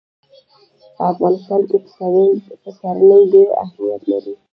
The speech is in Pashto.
په افغانستان کې پسرلی ډېر اهمیت لري.